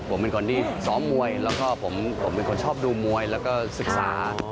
ผมเป็นคนที่ซ้อมมวยแล้วก็ผมเป็นคนชอบดูมวยแล้วก็ศึกษา